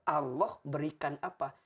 allah berikan apa